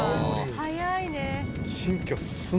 早いね。